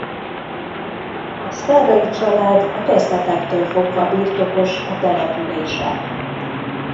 A Sztáray család a kezdetektől fogva birtokos a településen.